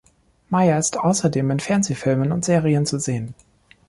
Maier ist außerdem in Fernsehfilmen und -serien zu sehen.